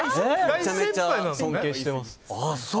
めちゃくちゃ尊敬してます。